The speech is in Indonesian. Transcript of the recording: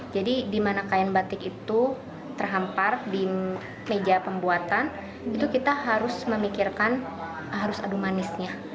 jadi di mana kain batik itu terhampar di meja pembuatan itu kita harus memikirkan arus adumanisnya